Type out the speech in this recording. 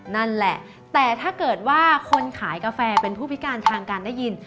นั่นแหละแต่ถ้าเกิดว่าคนขายกาแฟเป็นผู้พิการทางการได้ยิน